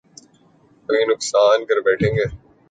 کوئی نقصان کر بیٹھیں گے